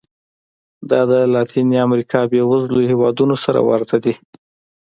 دا د لاتینې امریکا بېوزلو هېوادونو سره ورته دي.